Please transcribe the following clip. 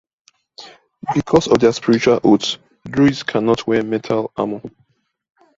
Because of their spiritual oaths, druids cannot wear metal armor.